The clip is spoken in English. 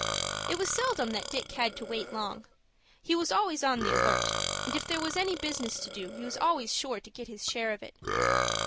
It was seldom that Dick had to wait long. He was always on the alert, and if there was any business to do he was always sure to get his share of it.